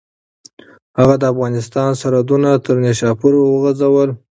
هغه د افغانستان سرحدونه تر نیشاپوره وغځول.